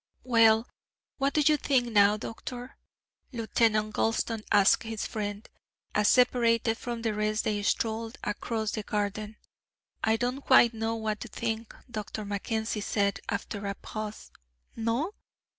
"Well, what do you think, doctor, now?" Lieutenant Gulston asked his friend, as separated from the rest they strolled across the garden. "I don't quite know what to think," Dr. Mackenzie said, after a pause. "No?"